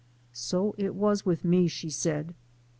" So it was with me," she said.